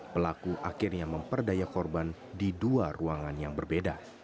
pelaku akhirnya memperdaya korban di dua ruangan yang berbeda